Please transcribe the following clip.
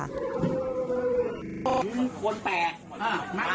คนแปลกมาเยอะเท่าเขิน